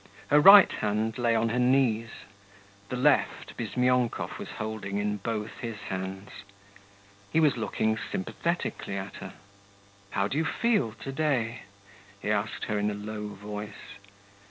Her right hand lay on her knees, the left Bizmyonkov was holding in both his hands. He was looking sympathetically at her. 'How do you feel to day?' he asked her in a low voice.